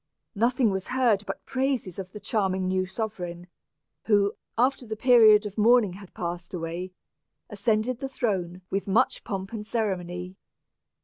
Nothing was heard but praises of the charming new sovereign, who, after the period of mourning had passed away, ascended the throne with much pomp and ceremony.